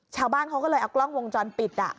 ชาวบ้านเขาก็เลยเอากล้องวงจรปิด